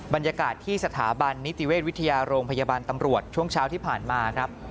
บรรยากาศที่สถาบันนิติเวชวิทยาโรงพยาบาลตำรวจช่วงเช้าที่ผ่านมาครับ